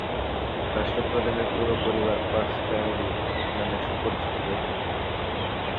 রাষ্ট্র প্রধানের পুরো পরিবার "ফার্স্ট ফ্যামিলি" নামে সুপরিচিত হয়ে থাকেন।